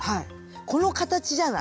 この形じゃない？